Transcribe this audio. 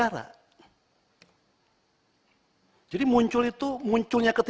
ada di dalam suaranya ya